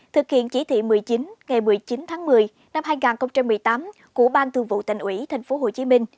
thực hiện chỉ thị một mươi chín ngày một mươi chín tháng một mươi năm hai nghìn một mươi tám của ban thư vụ tành ủy tp hcm